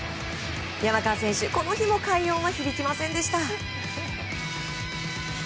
山川選手、この日も快音は響きませんでした。